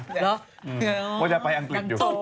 เพราะจะไปอังกฤษอยู่